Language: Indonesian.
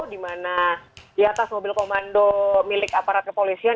di mana di atas mobil komando milik aparat kepolisian